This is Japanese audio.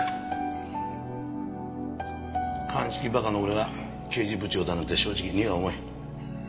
鑑識馬鹿の俺が刑事部長だなんて正直荷が重い。